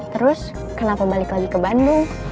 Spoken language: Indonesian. terus kenapa balik lagi ke bandung